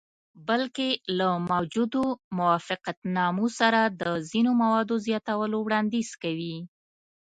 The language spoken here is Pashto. بلکې له موجودو موافقتنامو سره د ځینو موادو زیاتولو وړاندیز کوي.